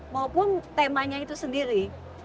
maupun temanya itu sendiri